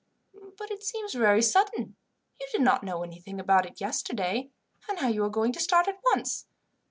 But it seems very sudden. You did not know anything about it yesterday, and now you are going to start at once.